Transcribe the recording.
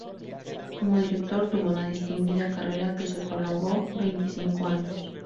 Como director, tuvo una distinguida carrera que se prolongó veinticinco años.